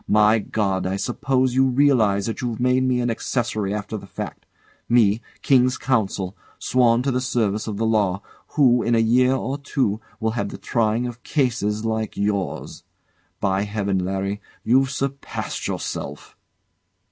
My God! I suppose you realise that you've made me an accessory after the fact me, King's counsel sworn to the service of the Law, who, in a year or two, will have the trying of cases like yours! By heaven, Larry, you've surpassed yourself!